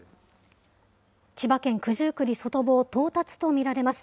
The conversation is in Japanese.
千葉県九十九里外房、到達と見られます。